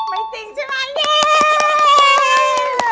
ไม่จริงใช่ไหม